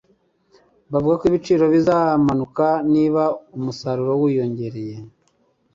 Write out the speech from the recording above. Bavuga ko ibiciro bizamanuka niba umusaruro wiyongereye.